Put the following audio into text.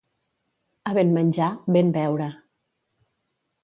A ben menjar, ben beure.